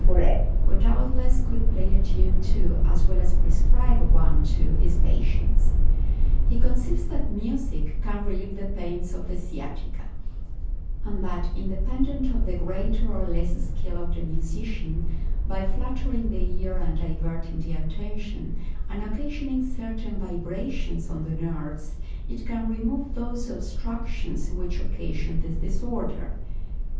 Burette, who doubtless could play a tune to, as well as prescribe one to, his patient. He conceives that music can relieve the pains of the sciatica; and that, independent of the greater or less skill of the musician, by flattering the ear, and diverting the attention, and occasioning certain vibrations of the nerves, it can remove those obstructions which occasion this disorder.